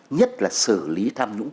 nhất là xử lý tham nhũng